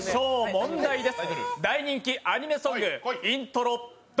問題です。